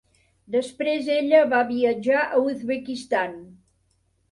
Després ella va viatjar a Uzbekistan.